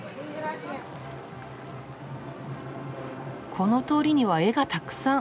この通りには絵がたくさん。